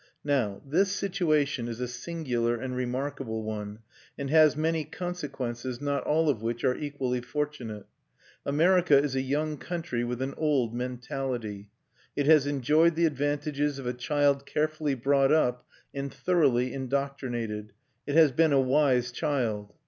Now this situation is a singular and remarkable one, and has many consequences, not all of which are equally fortunate. America is a young country with an old mentality: it has enjoyed the advantages of a child carefully brought up and thoroughly indoctrinated; it has been a wise child.